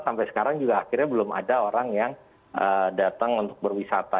sampai sekarang juga akhirnya belum ada orang yang datang untuk berwisata